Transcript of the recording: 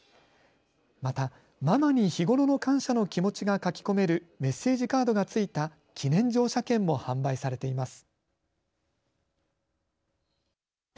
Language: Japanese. またママに日頃の感謝の気持ちが書き込めるメッセージカードが付いた記念乗車券も販売されています。